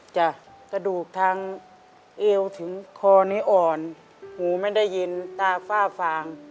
จ้ะกระดูกทางเอวถึงคอนี้อ่อนหูไม่ได้ยินตาฝ้าฟาง